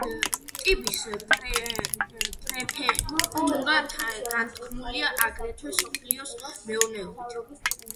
ტიბის პრეფექტურა განთქმულია აგრეთვე სოფლის მეურნეობით.